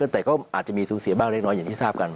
แต่ก็อาจจะมีสูญเสียบ้างเล็กน้อยอย่างที่ทราบกัน